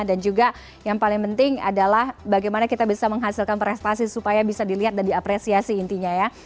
dan juga yang paling penting adalah bagaimana kita bisa menghasilkan prestasi supaya bisa dilihat dan diapresiasi intinya ya